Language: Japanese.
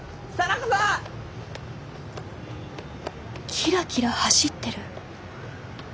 キラキラ走ってる。